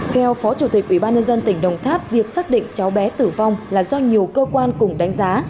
theo phó chủ tịch ubnd tỉnh đồng tháp việc xác định cháu bé tử vong là do nhiều cơ quan cùng đánh giá